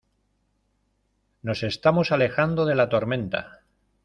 nos estamos alejando de la tormenta.